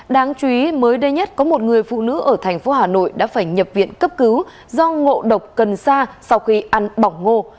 đáng chú ý mới đây nhất có một người phụ nữ ở thành phố hà nội đã phải nhập viện cấp cứu do ngộ độc cần sa sau khi ăn bỏng ngô